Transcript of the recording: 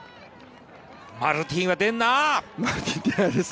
マルティンは出んな！